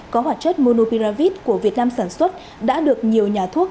có hoạt chất monopiravit của việt nam sản xuất đã được nhiều nhà thuốc